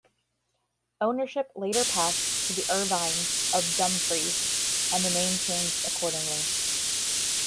Ownership later passed to the Irvines of Dumfries and the name changed accordingly.